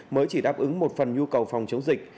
mới chỉ đáp ứng một phần nhu cầu phòng chống dịch